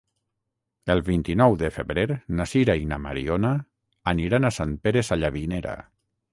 El vint-i-nou de febrer na Sira i na Mariona aniran a Sant Pere Sallavinera.